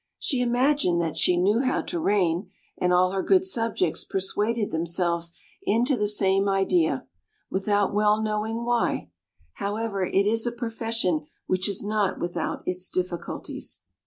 She imagined that she knew how to reign, and all her good subjects persuaded themselves into the same idea, without well knowing why: however, it is a profession which is not without its difficulties.